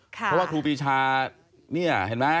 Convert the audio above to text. เพราะว่าครูปรีชาเนี่ยเห็นมั้ย